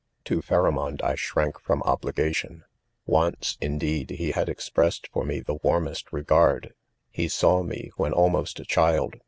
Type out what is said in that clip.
4 To Fharamond I shrank from obligation 5 o^cgjindeed, be had expressed for me the warm est regard. He saw me, when almost a cfaild